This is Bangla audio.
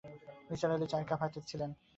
নিসার আলি চায়ের কাপ হাতে নিলেন।